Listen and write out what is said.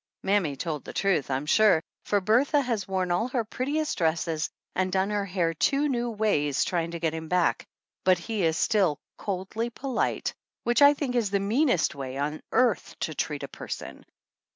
Mammy told the truth, I'm sure, for Bertha has worn all her prettiest dresses and done her hair two new ways, trying to get him back ; but he is still "coldly polite," which I think is the meanest way on earth to treat a person.